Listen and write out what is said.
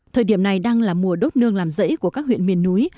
thời điểm này đang là mùa đốt nương làm rẫy của các huyện miền núi